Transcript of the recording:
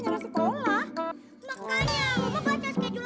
rumah sabah sarbagi ini